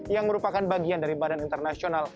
yang merupakan bagian dari badan internasional